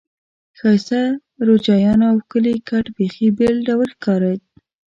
ښایسته روجایانو او ښکلي کټ بیخي بېل ډول ښکارېد.